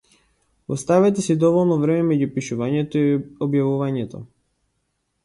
Оставете си доволно време меѓу пишувањето и објавувањето.